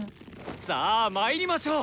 さあ参りましょう！